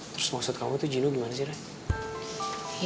terus maksud kamu itu jinu gimana sih rey